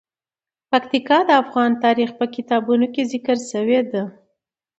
پکتیکا د افغان تاریخ په کتابونو کې ذکر شوی دي.